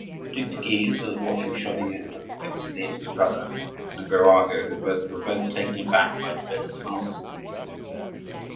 The Duc de Guise, who was watching Chaudieu, looked fixedly at his brother and at Birago, who were both taken aback by de Beze's answer.